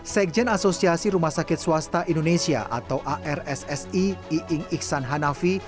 sekjen asosiasi rumah sakit swasta indonesia atau arssi iing iksan hanafi